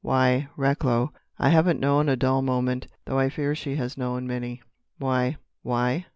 Why, Recklow, I haven't known a dull moment—though I fear she has known many——" "Why?" "Why?